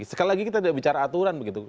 sekali lagi kita tidak bicara aturan begitu